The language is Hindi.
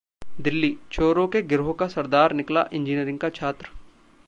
दिल्लीः चोरों के गिरोह का सरदार निकला इंजीनियरिंग का छात्र